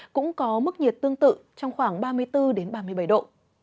cũng có mức nhiệt tương tự trong khoảng ba mươi bốn ba mươi bảy độ